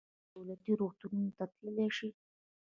ایا دولتي روغتون ته تللی شئ؟